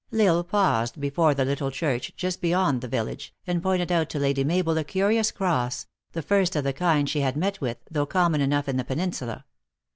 L Isle paused before the little church, just beyond the village, and pointed out to Lady Mabel a curious cross, the first of the kind she had met with, though common enough in the peninsula.